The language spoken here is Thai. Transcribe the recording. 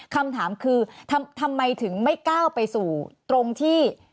คำถามคือทำไมถึงไม่ก้าวไปสู่ตรงที่